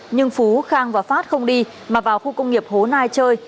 nhưng phú khang và phát không đi mà vào khu công nghiệp hố nai chơi